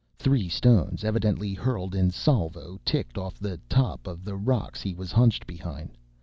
Three stones, evidently hurled in salvo, ticked off the top of the rocks he was hunched behind.